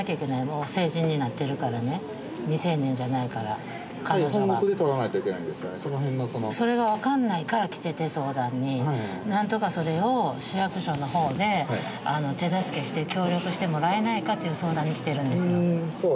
もう成人になってるからね未成年じゃないからそれが分かんないから来てて相談に何とかそれを市役所のほうで手助けして協力してもらえないかという相談に来てるんですよ